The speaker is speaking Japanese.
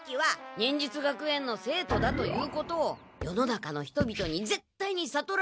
忍術学園の生徒だということを世の中の人々にぜったいにさとられないように！